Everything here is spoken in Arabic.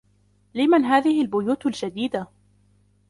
لمن هذه البيوت الجديدة؟